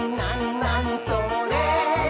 なにそれ？」